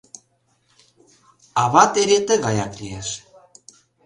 — Ават эре тыгаяк лиеш.